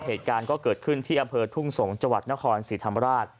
เหตุการณ์ก็เกิดขึ้นที่อำเภอทุ่งสงศ์จังหวัดนครศรีธรรมราช